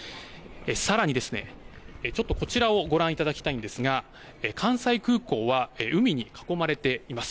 さらにですね、ちょっとこちらをご覧いただきたいんですが関西空港は海に囲まれています。